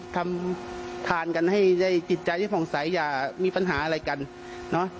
ทำทานกันให้ได้จิตใจได้ผ่องใสอย่ามีปัญหาอะไรกันเนอะ